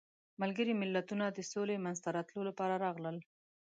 ملګري ملتونه د سولې منځته راتلو لپاره راغلل.